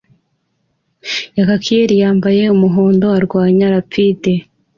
kayakier wambaye umuhondo arwanya rapide